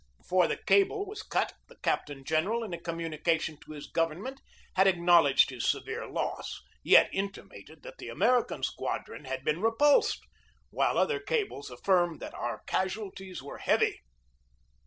Before the cable was cut the captain general, in a communi cation to his government, had acknowledged his se vere loss, yet intimated that the American squadron 228 GEORGE DEWEY had been repulsed; while other cables affirmed that our casualties were heavy.